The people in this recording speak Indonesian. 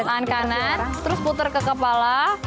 tangan kanan terus puter ke kepala